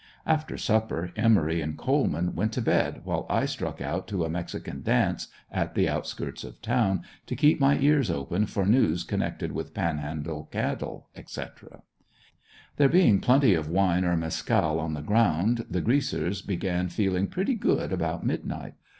After supper Emory and Coleman went to bed while I struck out to a mexican dance, at the outskirts of town, to keep my ears open for news connected with Panhandle cattle, etc. There being plenty of wine, or "mescal," on the ground the "Greasers" began feeling pretty good about midnight.